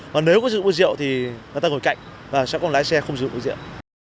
và nếu có sử dụng bữa rượu thì người ta ngồi cạnh và sẽ còn lái xe không sử dụng bữa rượu